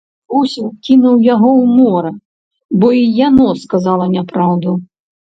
Бусел кінуў яго ў мора, бо й яно сказала няпраўду.